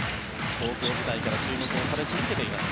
高校時代から注目をされ続けています。